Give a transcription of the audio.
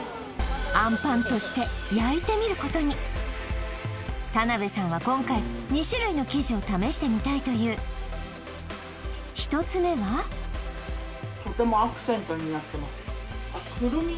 あんぱんとして焼いてみることに田辺さんは今回２種類の生地を試してみたいという１つ目はとてもアクセントになってます